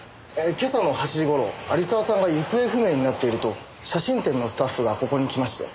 今朝の８時頃有沢さんが行方不明になっていると写真展のスタッフがここに来まして。